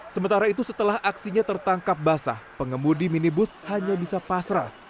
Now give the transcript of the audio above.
sementara itu setelah aksinya tertangkap basah pengemudi minibus hanya bisa pasrah